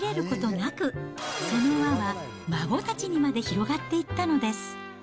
なく、その輪は孫たちにまで広がっていったのです。